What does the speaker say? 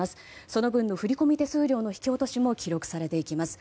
その分の振込手数料の引き落としも記録されます。